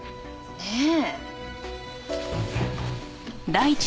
ねえ。